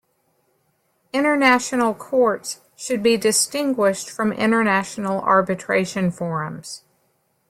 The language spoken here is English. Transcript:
International courts should be distinguished from international arbitration forums.